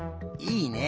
いいね。